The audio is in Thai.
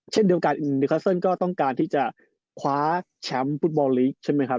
เช่นเดียวกันดิคัสเซิลก็ต้องการที่จะคว้าแชมป์ฟุตบอลลีกใช่ไหมครับ